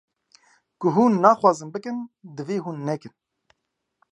Ku hûn nexwazin bikin, divê hûn nekin.